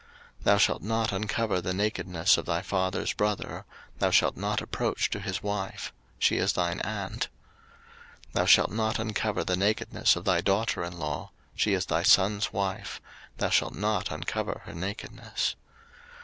03:018:014 Thou shalt not uncover the nakedness of thy father's brother, thou shalt not approach to his wife: she is thine aunt. 03:018:015 Thou shalt not uncover the nakedness of thy daughter in law: she is thy son's wife; thou shalt not uncover her nakedness.